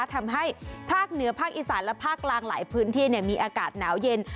ทำให้ภาคเหนือภาคอีสานและภาคกลางหลายพื้นที่มีอากาศหนาวเย็น